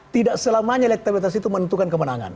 tidak selamanya elektabilitas itu menentukan kemenangan